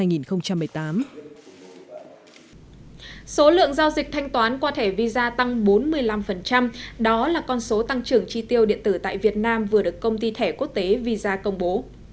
số lượng giao dịch thanh toán qua thẻ visa tăng bốn mươi năm đó là con số tăng trưởng chi tiêu điện tử tại việt nam vừa được công ty thẻ quốc tế visa công bố